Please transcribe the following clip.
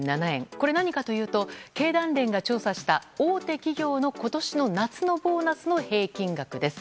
これ、何かというと経団連が調査した大手企業の今年の夏のボーナスの平均額です。